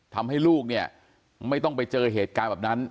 ทำให้ลูกเนี่ยไม่ต้องไปเจอเหตุการณ์แบบนั้น